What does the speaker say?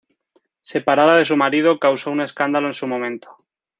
Separada de su marido, causó un escándalo en su momento.